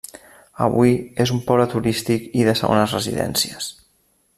Avui és un poble turístic i de segones residències.